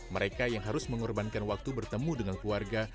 mereka yang harus mengorbankan waktu bertemu dengan keluarga